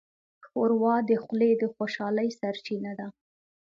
ښوروا د خولې د خوشحالۍ سرچینه ده.